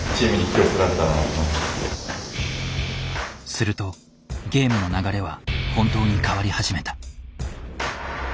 するとゲームの流れは本当に変わり始めた。